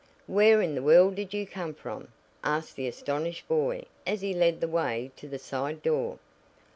"Where in the world did you come from?" asked the astonished boy as he led the way to the side door.